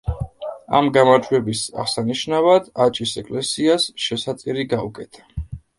ამ გამარჯვების აღსანიშნავად აჭის ეკლესიას შესაწირი გაუკეთა.